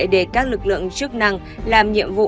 để các lực lượng chức năng làm nhiệm vụ